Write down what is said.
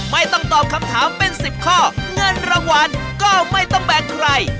ไม่ต้องตอบคำถามเป็น๑๐ข้อเงินรางวัลก็ไม่ต้องแบกใคร